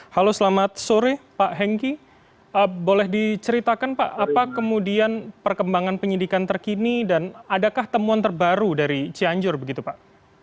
halo selamat sore pak hengki boleh diceritakan pak apa kemudian perkembangan penyidikan terkini dan adakah temuan terbaru dari cianjur begitu pak